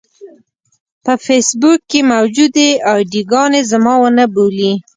په فېسبوک کې موجودې اې ډي ګانې زما ونه بولي.